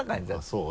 そう？